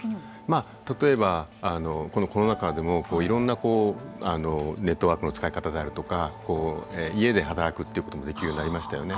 まあ例えばこのコロナ禍でもいろんなこうネットワークの使い方であるとかこう家で働くっていうこともできるようになりましたよね。